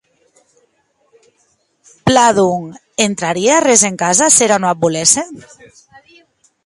Plan, donc, entrarie arrés ena casa s’era non ac volesse?